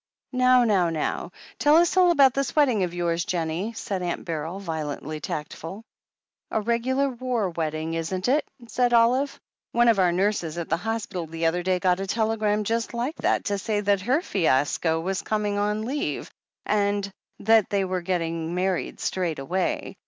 "Now, now, now — tell us all about this wedding of yours, Jennie," said Aunt Beryl, violently tactful. "A regular war wedding, isn't it?" said Olive. "One of our nurses at the hospital the other day got a tele gram just like that to say that her fiasco was coming on leave, and they were to get married straight away.